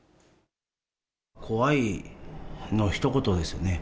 怖いのひと言ですよね。